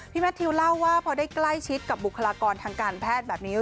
แมททิวเล่าว่าพอได้ใกล้ชิดกับบุคลากรทางการแพทย์แบบนี้